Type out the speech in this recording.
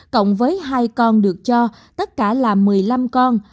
cộng với hai con được cho tất cả là một mươi năm con